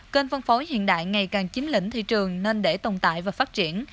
kênh phân phối hiện đại ngày càng chính lĩnh thị trường nên để tồn tại và phát triển